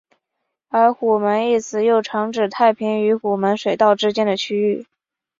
而虎门一词又常指太平与虎门水道之间的区域。